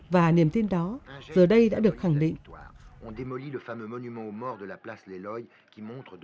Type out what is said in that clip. và niềm tin đó giờ đây đã được khẳng định